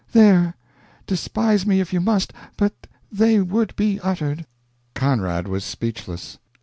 There, despise me if you must, but they would be uttered!" Conrad was speechless.